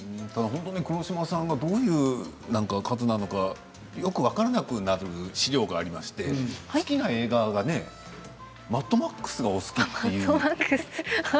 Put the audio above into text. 黒島さんがどういう方なのか、よく分からなくなる資料がありまして好きな映画がね「マッドマックス」がお好きと。